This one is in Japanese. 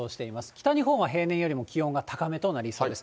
北日本は平年よりも気温が高めとなりそうです。